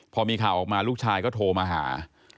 พอมีข่าวออกมาลูกชายก็โทรมาหา